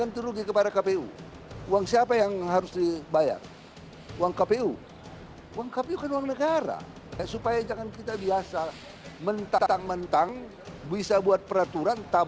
tidak bisa begitu